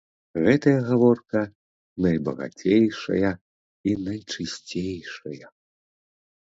Гэтая гаворка найбагацейшая і найчысцейшая.